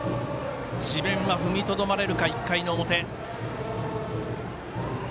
智弁は、ふみとどまれるか１回の表。